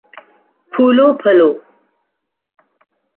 پھولو پھلو